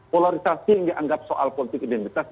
polarisasi yang dianggap soal politik identitas